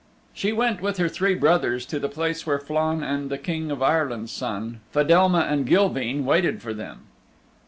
She went with her three brothers to the place where Flann and the King of Ireland's Son, Fedelma and Gilveen waited for them.